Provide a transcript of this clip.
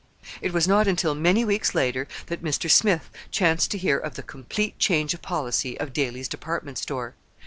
It was not until many weeks later that Mr. Smith chanced to hear of the complete change of policy of Daly's department store.